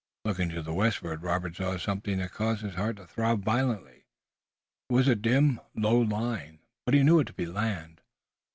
Looking to the westward Robert saw something that caused his heart to throb violently. It was a dim low line, but he knew it to be land.